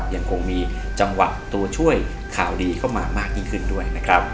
ยังคงมีจังหวะตัวช่วยข่าวดีเข้ามามากยิ่งขึ้นด้วยนะครับ